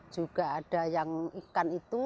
juga ada yang ikan itu